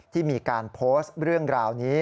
ที่มีการโพสต์เรื่องราวนี้